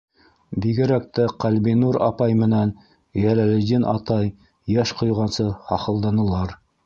Бигерәк тә Ҡәлби-нур апай менән Йәләлетдин атай йәш ҡойғансы хахылданылар.